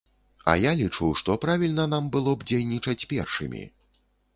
А я лічу, што правільна нам было б дзейнічаць першымі.